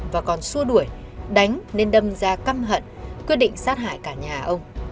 và còn xua đuổi đánh nên đâm ra căm hận quyết định sát hại cả nhà ông